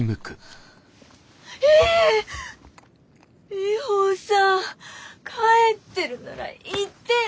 ミホさん帰ってるなら言ってよ